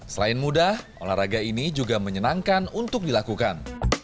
selain mudah olahraga ini juga menyenangkan untuk dilakukan